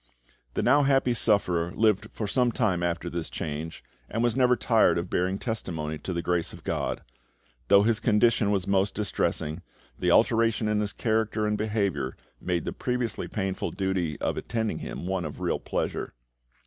The now happy sufferer lived for some time after this change, and was never tired of bearing testimony to the grace of GOD. Though his condition was most distressing, the alteration in his character and behaviour made the previously painful duty of attending him one of real pleasure.